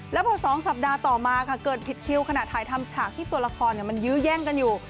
แล้วพอ๒สัปดาห์ต่อมาค่ะเกิดผิดคิวขณะถ่ายทำฉากที่ตัวละครมันยื้อแย่งกันอยู่